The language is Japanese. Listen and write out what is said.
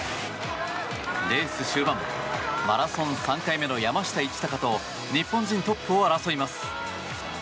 レース終盤マラソン３回目の山下一貴と日本人トップを争います。